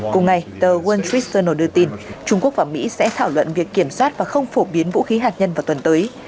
cùng ngày tờ wall street journal đưa tin trung quốc và mỹ sẽ thảo luận việc kiểm soát và không phổ biến vũ khí hạt nhân vào tuần tới